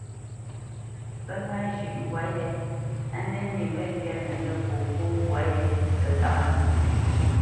Pə́ ŋâ zhʉ̌ʼ mbwǎ yé á nə nyê məlyánə nə popó mbwǎ yé, pə́ láʼnə.